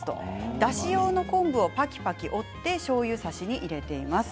だし用の昆布をぱきぱき折ってしょうゆさしに入れています。